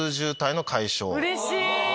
うれしい！